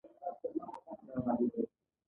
د کمپيوټر پر جوړولو مې خپل ان تمام کړ خو جوړ نه شو.